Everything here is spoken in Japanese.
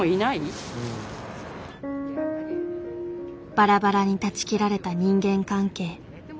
バラバラに断ち切られた人間関係。